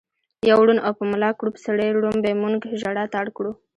يو ړوند او په ملا کړوپ سړي ړومبی مونږ ژړا ته اړ کړو